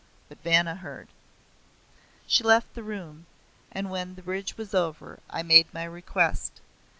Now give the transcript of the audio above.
But Vanna heard. She left the room; and when the bridge was over, I made my request.